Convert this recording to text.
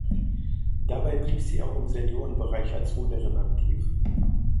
Dabei blieb sie auch im Seniorenbereich als Ruderin aktiv.